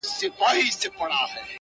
پکښي تېر مي کړل تر سلو زیات کلونه٫